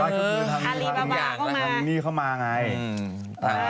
อารี่บาบาก็มาทำมาแล้วอะไร